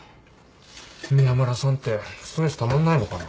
宮村さんってストレスたまらないのかな。